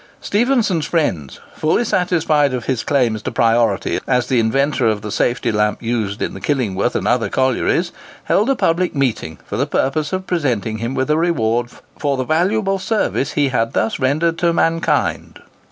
Stephenson's friends, fully satisfied of his claims to priority as the inventor of the safety lamp used in the Killingworth and other collieries, held a public meeting for the purpose of presenting him with a reward "for the valuable service he had thus rendered to mankind."